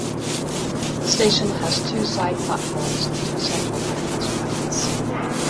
The station has two side platforms and two central bypass tracks.